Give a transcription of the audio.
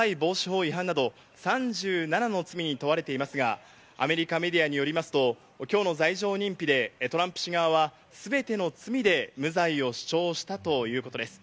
今回トランプ氏はスパイ防止法違反で３７の罪に問われていますが、アメリカメディアによりますと、きょうの罪状認否でトランプ氏側は、全ての罪で無罪を主張したということです。